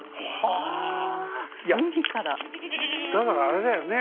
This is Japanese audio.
だからあれだよね。